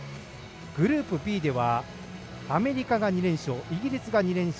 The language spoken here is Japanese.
グループＢではアメリカが２連勝イギリスが２連勝